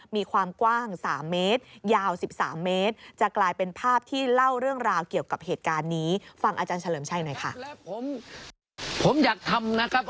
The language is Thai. มีความกว้าง๓เมตรยาว๑๓เมตร